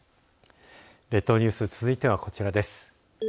列島ニュース、続いてはこちらです。